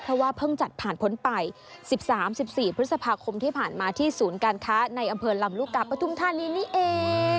เพราะว่าเพิ่งจัดผ่านพ้นไป๑๓๑๔พฤษภาคมที่ผ่านมาที่ศูนย์การค้าในอำเภอลำลูกกาปฐุมธานีนี่เอง